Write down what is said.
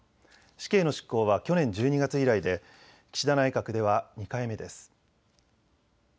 死刑の執行は去年１２月以来で岸田内閣では２回目です。